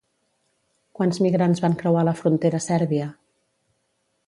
Quants migrants van creuar la frontera sèrbia?